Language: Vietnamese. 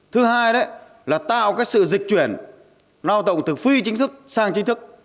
thứ hai là tạo sự dịch chuyển lao động từ phi chính thức sang chính thức